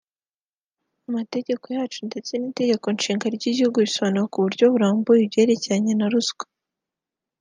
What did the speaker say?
amategeko yacu ndetse n’itegeko nshinga ry’igihugu bisobanura ku buryo burambuye ibyerekeranye na ruswa